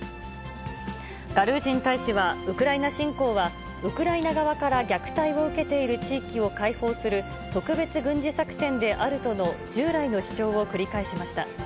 ガルージン大使は、ウクライナ侵攻はウクライナ側から虐待を受けている地域を解放する、特別軍事作戦であるとの従来の主張を繰り返しました。